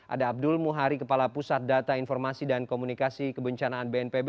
ada abdul muhari kepala pusat data informasi dan komunikasi kebencanaan bnpb